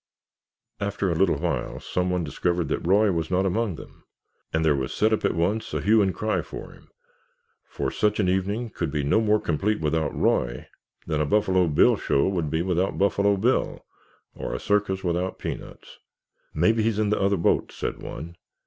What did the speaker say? After a little while some one discovered that Roy was not among them, and there was set up at once a hue and cry for him, for such an evening could be no more complete without Roy than a Buffalo Bill Show would be without Buffalo Bill or a circus without peanuts. "Maybe he's in the other boat," said one.